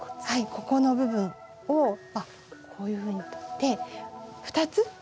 ここの部分をこういうふうにとって２つ。